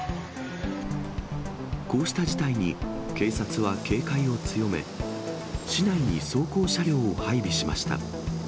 こうした事態に、警察は警戒を強め、市内に装甲車両を配備しました。